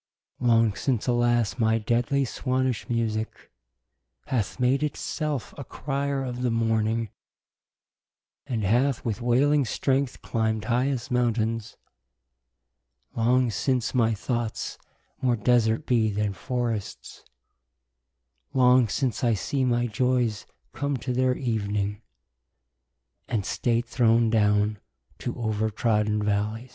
Long since alas y my deadly Swannish musique Hath made it selfe a crier of the morning y And hath with wailing stregth clim'd highest mountaines : Long since my thoughts more desert be then forrests : Long since I see my joyes come to their evening y And state throwen downe to over troden v allies.